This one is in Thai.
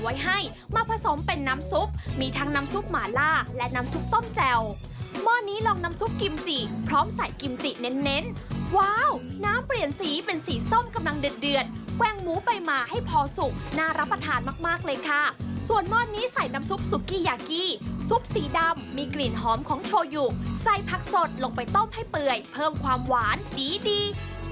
วิยากี้ซุปสีดำมีกลิ่นหอมของโชยุใส่พักสดลงไปต้มให้เปื่อยเพิ่มความหวานดี